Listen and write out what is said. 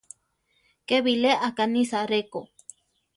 Ké bilé akánisa ré ko.